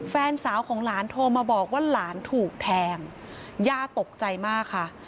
แฟนสาวของหลานโทรมาบอกว่าหลานถูกแทงย่าตกใจมากค่ะ